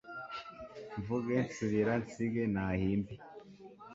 mvuge nsubira nsige nahimbe